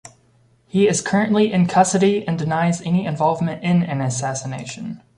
He is currently in custody and denies any involvement in an assassination.